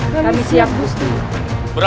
kita belum siap lia